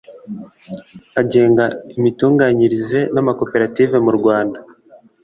agenga imitunganyirize y'amakoperative mu rwanda